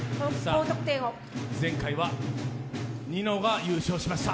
前回はニノが優勝しました。